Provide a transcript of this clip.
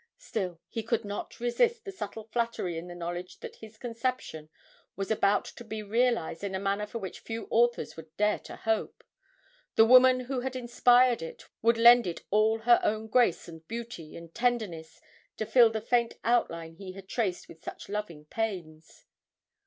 Still he could not resist the subtle flattery in the knowledge that his conception was about to be realised in a manner for which few authors would dare to hope the woman who had inspired it would lend it all her own grace and beauty and tenderness to fill the faint outline he had traced with such loving pains.